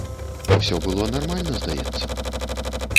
Усё было нармальна, здаецца.